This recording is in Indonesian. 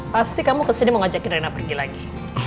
pasti kamu kesini mau ngajakin rena pergi lagi